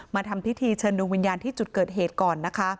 ทำพิธีเชิญดวงวิญญาณที่จุดเกิดเหตุก่อนนะคะ